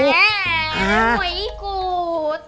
nenek mau ikut